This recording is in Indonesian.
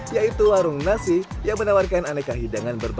yaitu warung nasi yang menawarkan aneka hidangan berbeda